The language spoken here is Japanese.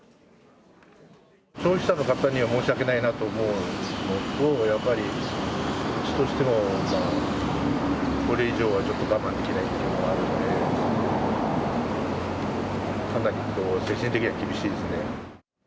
消費者の方には申し訳ないなと思うのと、やっぱりうちとしても、これ以上はちょっと我慢できないというのはあるので、かなり精神的には厳しいですね。